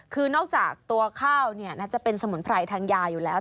คือนอกจากตัวข้าวน่าจะเป็นสมุนไพรทางยาอยู่แล้ว